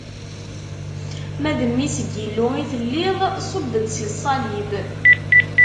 Ma d Mmi-s n Yillu i telliḍ, ṣubb-d si ṣṣalib.